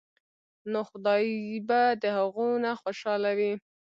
نو خدائے به د هغو نه خوشاله وي ـ